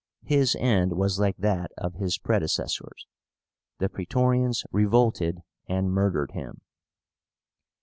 His end was like that of his predecessors. The Praetorians revolted and murdered him.